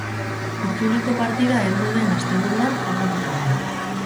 Itzuliko partida heldu den asteburuan jokatuko da.